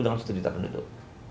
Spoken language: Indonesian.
dengan satu juta penduduk